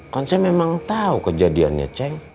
kan saya memang tahu kejadiannya ceng